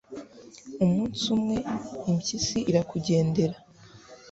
umunsi umwe, impyisi irakugendera